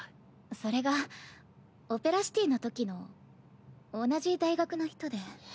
それがオペラシティのときの同じ大学の人で。